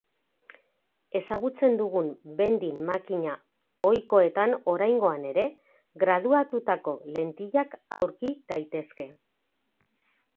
Ezagutzen dugun vending makina ohikoetan oraingoan ere graduatutako lentillak aurki daitezke.